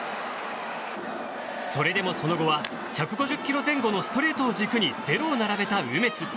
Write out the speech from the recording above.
それでも、その後は１５０キロ前後のストレートを軸に０を並べた梅津。